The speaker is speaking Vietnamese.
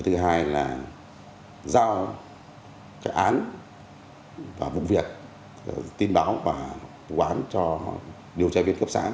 thứ hai là giao các án và vụ việc tin báo và quán cho điều tra viên cấp xã